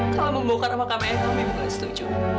kalau membongkar makam ayah kamu ibu gak setuju